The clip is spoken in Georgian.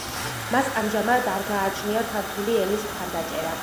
მას ამჟამად არ გააჩნია ქართული ენის მხარდაჭერა.